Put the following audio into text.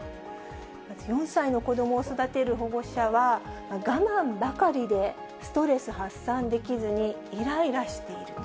まず４歳の子どもを育てる保護者は、我慢ばかりでストレス発散できずにいらいらしていると。